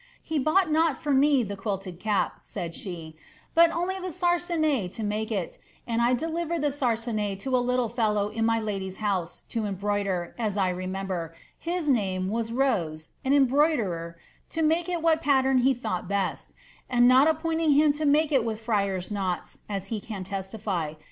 ^ He bought not for me the quilted cap," ttid she, " but only the sarcenet to make it ; and I delivered the sarcenet to a little fellow in my lady's house to embroider, as I lemember, his same was Rose, an embroiderer, to make it what pattern he thought best, and not appointing him to make it with friars' knots, as he can testify, ' Barnet^s Records, vol.